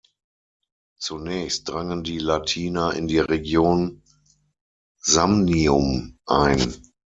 Zunächst drangen die Latiner in die Region Samnium ein.